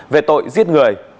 về tội giết người